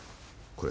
これ。